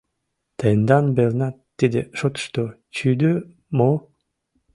— Тендан велнат тиде шотышто чӱдӧ мо?